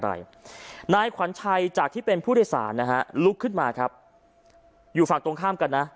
นายขวัญชัยจากที่เป็นผู้โดยสารนะฮะลุกขึ้นมาครับอยู่ฝั่งตรงข้ามกันนะ